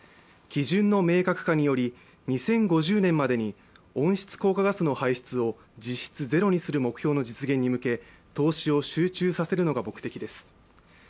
基準の明確化により２０５０年までに温室効果ガスの排出を実質ゼロにする目標の実現に向け投資を集中させるのが目的です。